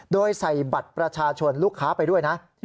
โดยใส่บัตรประชาชนลูกค้าไปด้วยนะ